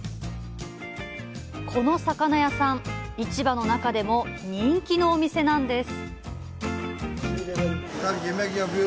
この魚屋さん、市場の中でも人気のお店なんです。